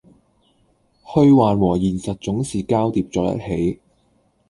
虛幻和現實總是交疊在一起